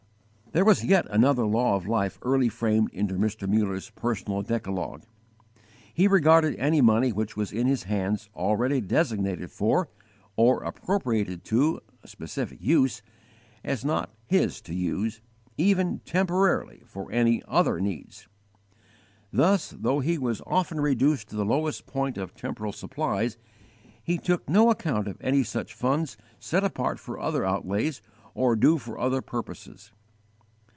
There was yet another law of life early framed into Mr. Muller's personal decalogue. He regarded any money which was in his hands already designated for, or appropriated to, a specific use, as not his to use, even temporarily, for any other ends. Thus, though he was often reduced to the lowest point of temporal supplies, he took no account of any such funds set apart for other outlays or due for other purposes.